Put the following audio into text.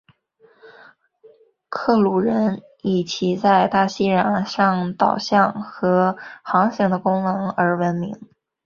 克鲁人以其在大西洋上导向和航行的能力而闻名。